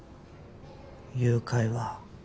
誘拐は